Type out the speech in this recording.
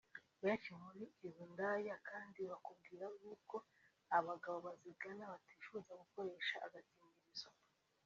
Benshi muri izo ndaya kandi bakubwira yuko abagabo bazigana batifuza gukoresha agakingirizo